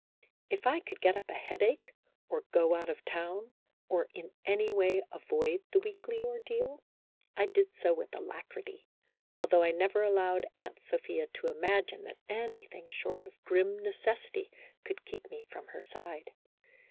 If I could get up a headache, or go out of town, or in any way avoid the weekly ordeal, I did A HYPOCRITICAL ROMANCE. 1 5 so with alacrity, although I never allowed Aunt Sophia to imagine that anything short of grim necessity could keep me from her side.